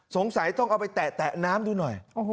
สงสัยต้องเอาไปแตะน้ำดูหน่อย